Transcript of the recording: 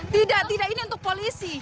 tidak tidak ini untuk polisi